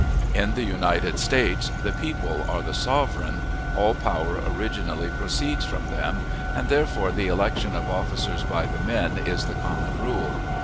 In the United States the people are the "sovereign," all power originally proceeds from them, and therefore the election of officers by the men is the common rule.